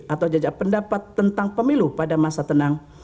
atau jajak pendapat tentang pemilu pada masa tenang